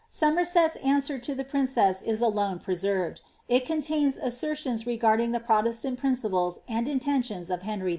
Somerset's answer to the princess is alone preserved ; it cot sntions regarding the Protestant principles and intentions of Henry